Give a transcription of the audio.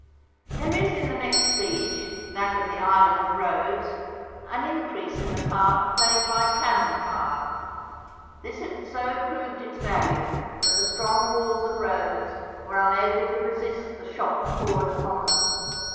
There is in the next siege, that of the Island of Rhodes, an increase in the part played by cannon fire. This had so proved its value that the strong walls of Rhodes were unable to resist the shot poured upon them.